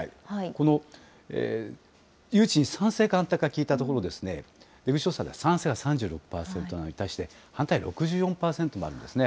この誘致に賛成か反対か聞いたところ、出口調査では、賛成が３６％なのに対して、反対は６４％もあるんですね。